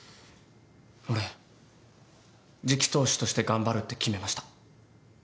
俺次期当主として頑張るって決めました。